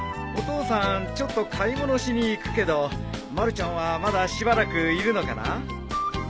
お父さんちょっと買い物しに行くけどまるちゃんはまだしばらくいるのかな？